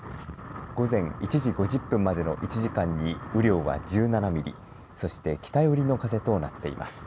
午前１時５０分までの１時間に雨量は１７ミリ、そして北寄りの風となっています。